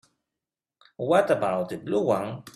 What about the blue one?